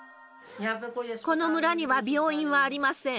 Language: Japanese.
この村には病院はありません。